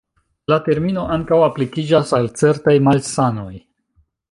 La termino ankaŭ aplikiĝas al certaj malsanoj.